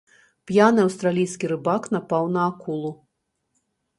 П'яны аўстралійскі рыбак напаў на акулу.